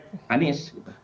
dan diperkirakan sebagai